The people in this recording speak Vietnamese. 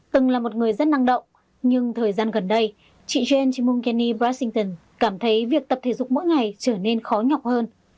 từng là một người rất năng động nhưng thời gian gần đây chị jane chmulgeni brasington cảm thấy việc tập thể dục mỗi ngày trở nên khó nhọc hơn